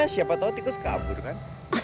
siapa tahu tikus kabur kan